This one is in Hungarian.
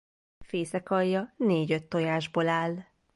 Fészekalja négy-öt tojásból áll.